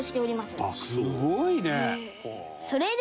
「すごいね！」